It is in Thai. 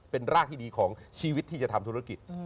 เป็นรากที่ดีของชีวิตที่จะทำธุรกิจ